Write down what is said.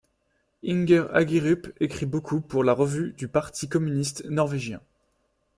Inger Hagerup écrit beaucoup pour ', la revue du Parti communiste norvégien.